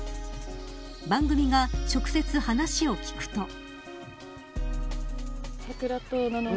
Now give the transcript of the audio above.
番組が直接話を聞くと。